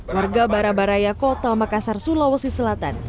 warga barabaraya kota makassar sulawesi selatan